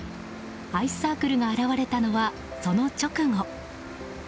アイスサークルが現れたのはその直後。